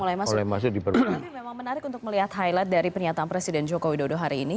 tapi memang menarik untuk melihat highlight dari pernyataan presiden joko widodo hari ini